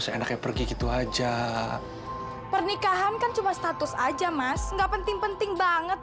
seenaknya pergi gitu aja pernikahan kan cuma status aja mas enggak penting penting banget